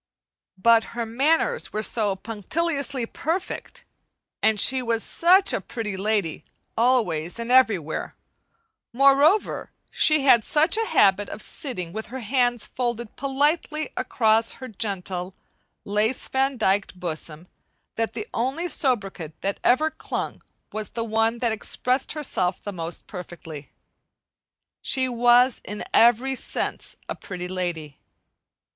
But her manners were so punctiliously perfect, and she was such a "pretty lady" always and everywhere; moreover she had such a habit of sitting with her hands folded politely across her gentle, lace vandyked bosom that the only sobriquet that ever clung was the one that expressed herself the most perfectly. She was in every sense a "Pretty Lady."